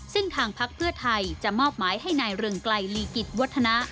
ซึ่งทางพักเพื่อไทยจะมอบหมายให้นายเรืองไกลลีกิจวัฒนะ